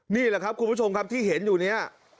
นี่แหละครับคุณผู้ชมครับที่เห็นอยู่เนี่ย